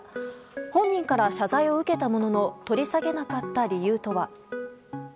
本人から謝罪を受けたものの取り下げなかった理由とは。